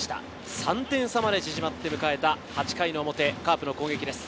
３点差まで縮まって迎えた８回の表、カープの攻撃です。